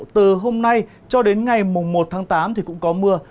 từ hôm nay cho đến ngày một tháng tám thì cũng có mưa